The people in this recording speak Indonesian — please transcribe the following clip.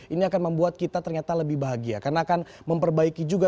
ini akan membuat kita ternyata lebih bahagia karena akan memperbaiki juga